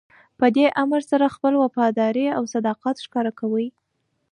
په دې امر سره خپله وفاداري او صداقت ښکاره کوئ.